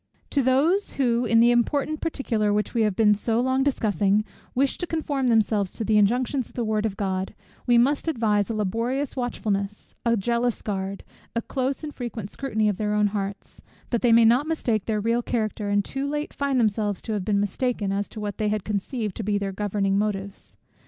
To those who, in the important particular which we have been so long discussing, wish to conform themselves to the injunctions of the word of God, we must advise a laborious watchfulness, a jealous guard, a close and frequent scrutiny of their own hearts, that they may not mistake their real character, and too late find themselves to have been mistaken, as to what they had conceived to be their governing motives.